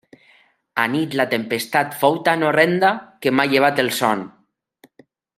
Anit la tempestat fou tan horrenda que m'ha llevat el son.